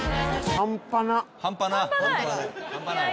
半端ない？